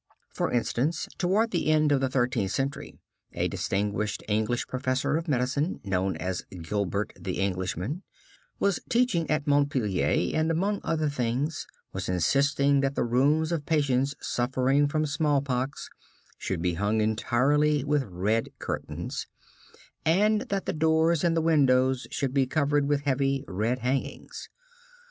For instance, toward the end of the Thirteenth Century, a distinguished English professor of medicine, known as Gilbert, the Englishman, was teaching at Montpelier, and among other things, was insisting that the rooms of patients suffering from smallpox should be hung entirely with red curtains, and that the doors and the windows should be covered with heavy red hangings.